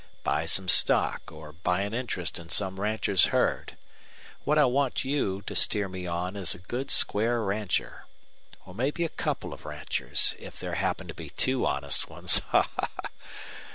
Buy some stock, or buy an interest in some rancher's herd. What I want you to steer me on is a good square rancher. Or maybe a couple of ranchers, if there happen to be two honest ones. Ha, ha!